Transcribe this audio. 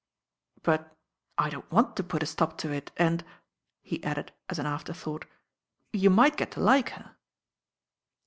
"But I don't want to put a stop to it, and," he added as an afterthought, "you might get to like her."